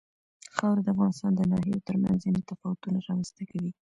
خاوره د افغانستان د ناحیو ترمنځ ځینې تفاوتونه رامنځ ته کوي.